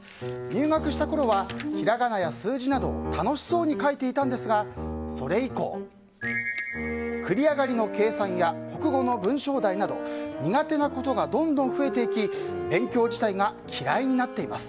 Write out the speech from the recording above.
入学したころは平仮名や数字などを楽しそうに書いていたんですがそれ以降、繰り上がりの計算や国語の文章題など苦手なことがどんどん増えていき勉強自体が嫌いになっています。